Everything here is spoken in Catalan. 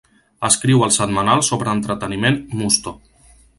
Escriu el setmanal sobre entreteniment Musto!